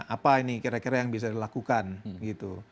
apa ini kira kira yang bisa dilakukan gitu